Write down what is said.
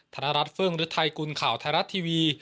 ธนรัฐเฟิร์งริตไทยกุลข่าวไทยรัฐทีวี